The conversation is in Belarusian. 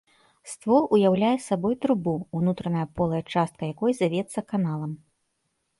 Ствол уяўляе сабой трубу, унутраная полая частка якой завецца каналам.